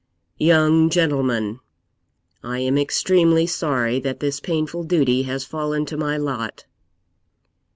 'Young gentleman, I am extremely sorry that this painful duty has fallen to my lot.'